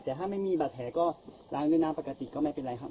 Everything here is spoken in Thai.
แต่ถ้าไม่มีบาดแผลก็ล้างด้วยน้ำปกติก็ไม่เป็นไรครับ